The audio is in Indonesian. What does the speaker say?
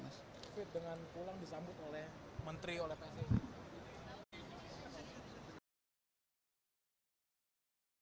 dengan pulang disambut oleh menteri oleh